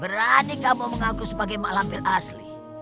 berani kamu mengaku sebagai mak lampir asli